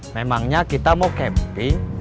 memangnya kita mau camping